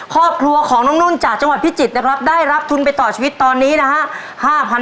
ครอบครัวของน้องนุ่นจากจังหวัดพิจิตรนะครับได้รับทุนไปต่อชีวิตตอนนี้นะฮะ